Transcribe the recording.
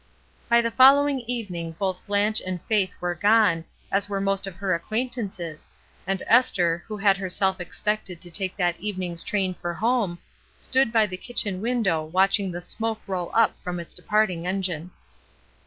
By the following evening both Blanche and Faith were gone, as were most of her acquaint ances, and Esther, who had herself expected to take that evening's train for home, stood by the kitchen window watching the smoke roll up from its departing engine.